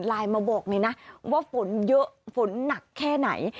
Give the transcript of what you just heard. ไลน์มาบอกเลยนะว่าฝนเยอะฝนหนักแค่ไหน